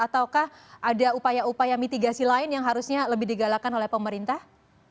ataukah ada upaya upaya mitigasi lain yang harusnya lebih digalakan oleh pemerintah